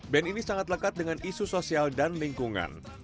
band ini sangat lekat dengan isu sosial dan lingkungan